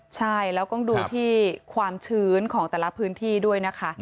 ใช่แล้วต้องดูที่ความชื้นของแต่ละพื้นที่ด้วยนะคะ